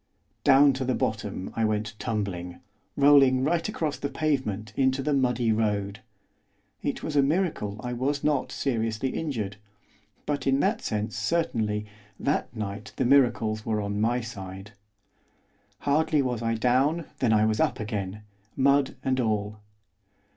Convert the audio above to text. Down to the bottom I went tumbling, rolling right across the pavement into the muddy road. It was a miracle I was not seriously injured, but in that sense, certainly, that night the miracles were on my side. Hardly was I down, than I was up again, mud and all.